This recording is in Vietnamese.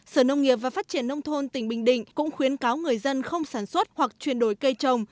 sở nông nghiệp và phát triển nông thôn tỉnh bình định cũng khuyến cáo người dân không sản xuất hoặc chuyển đổi cây trồng